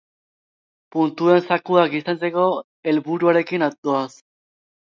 Puntuen zakua gizentzeko helburuarekin doaz.